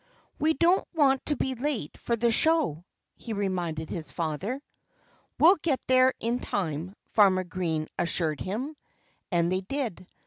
"We don't want to be late for the show," he reminded his father. "We'll get there in time," Farmer Green assured him. And they did.